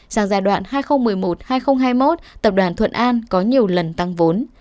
sang giai đoạn hai nghìn một mươi một hai nghìn hai mươi một tập đoàn thuận an có nhiều lần tăng vốn